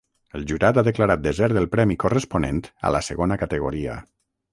El jurat ha declarat desert el premi corresponent a la segona categoria.